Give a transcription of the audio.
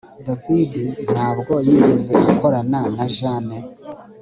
David ntabwo yigeze akorana na Jane